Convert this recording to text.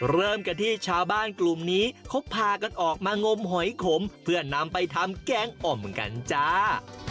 เริ่มกันที่ชาวบ้านกลุ่มนี้เขาพากันออกมางมหอยขมเพื่อนำไปทำแกงอ่อมกันจ้า